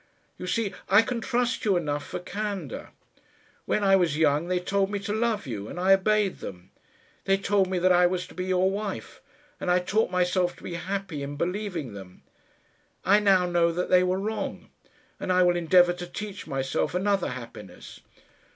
You see I can trust you enough for candour. When I was young they told me to love you, and I obeyed them. They told me that I was to be your wife, and I taught myself to be happy in believing them. I now know that they were wrong, and I will endeavour to teach myself another happiness."